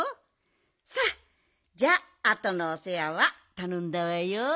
さあじゃああとのおせわはたのんだわよ。